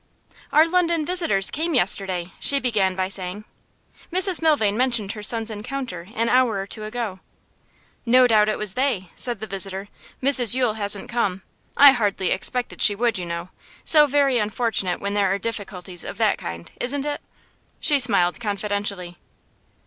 'Our London visitors came yesterday,' she began by saying. Mrs Milvain mentioned her son's encounter an hour or two ago. 'No doubt it was they,' said the visitor. 'Mrs Yule hasn't come; I hardly expected she would, you know. So very unfortunate when there are difficulties of that kind, isn't it?' She smiled confidentially.